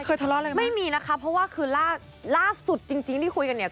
เคยทะเลาะอะไรไหมไม่มีนะคะเพราะว่าคือล่าสุดจริงจริงที่คุยกันเนี่ย